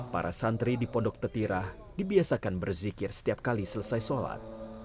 para santri di pondok tetirah dibiasakan berzikir setiap kali selesai sholat